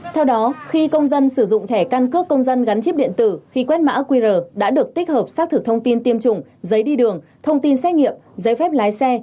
theo đó khi công dân sử dụng thẻ căn cước công dân gắn chip điện tử khi quét mã qr đã được tích hợp xác thực thông tin tiêm chủng giấy đi đường thông tin xét nghiệm giấy phép lái xe